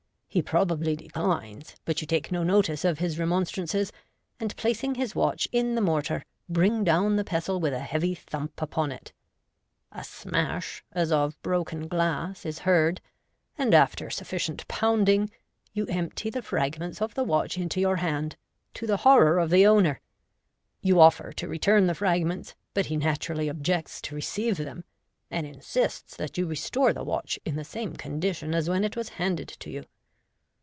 He probably declines, but you take no notice of his remon strances, and, placing his watch in the mortar, bring down the pestle with a hea/y thump upon it. A smash, as of broken glass, is heard, and, after sufficient pounding, you empty the fragments of the watch into your hand, to the horror of the owner. You offer to return the fragments, but he naturally objects to receive them, and insists that you restore the watch in the same condition as when it was handed to you.